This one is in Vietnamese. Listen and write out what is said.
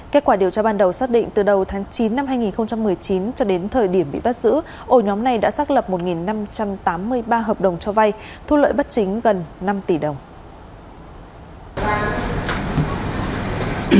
kết quả điều tra ban đầu xác định từ đầu tháng chín năm hai nghìn một mươi chín cho đến thời điểm bị bắt giữ ổ nhóm này đã xác lập một năm trăm tám mươi ba hợp đồng cho vay thu lợi bất chính gần năm tỷ đồng